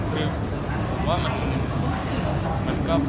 คือผมว่ามันก็